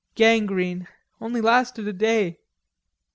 Gangrene.... Only lasted a day....